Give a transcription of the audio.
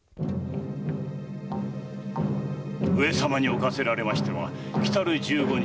上様におかせられましては来る十五日